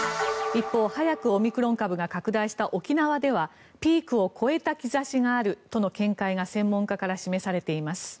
一方、早くオミクロン株が拡大した沖縄ではピークを越えた兆しがあるとの見解が専門家から示されています。